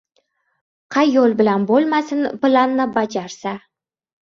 qay yo‘l bilan bo‘lmasin, planni bajarsa.